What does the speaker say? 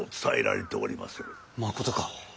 まことか。